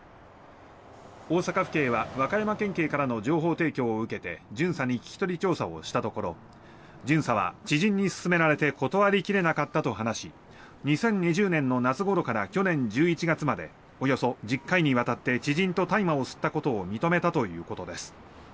大阪府警は和歌山県警からの情報提供を受けて巡査に聞き取り調査をしたところ巡査は知人に勧められて断り切れなかったと話し２０２０年の夏ごろから去年１１月までおよそ１０回にわたって知人と大麻を吸ったことを認めたということです。